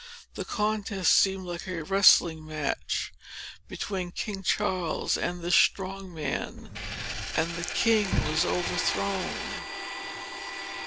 The contest seemed like a wrestling match between King Charles and this strong man. And the king was overthrown.